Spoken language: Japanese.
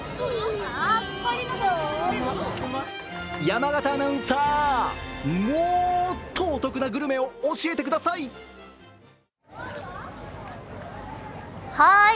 山形アナウンサー、もっとお得なグルメを教えてください。